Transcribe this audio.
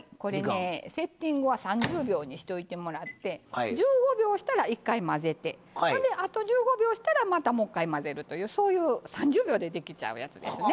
セッティングは３０秒にしといてもらって１５秒したら一回混ぜてほんであと１５秒したらまたもう一回混ぜるというそういう３０秒でできちゃうやつですね。